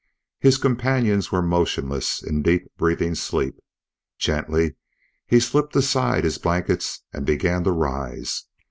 His companions were motionless in deep breathing sleep. Gently he slipped aside his blankets and began to rise.